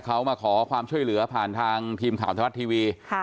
เขามาขอความช่วยเหลือผ่านทางทีมข่าวไทยรัฐทีวี